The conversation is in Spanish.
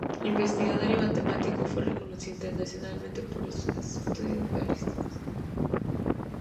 Investigador y matemático, fue reconocido internacionalmente por sus estudios balísticos.